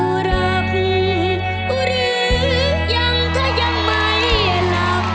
อุรับอุรื่องยังขยับไม่หลับ